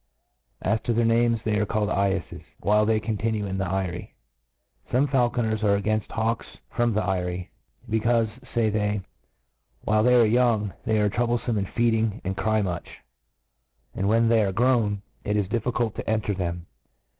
As to their names, they are called SyeiTes^ while they continue in the eyrie. Some faulconers are againft hawks from the eyrie j becaufe, fey they, while they are young, they are troublefomc in feeding, and cry much ; and when they arc grown, it is difficult to enter them.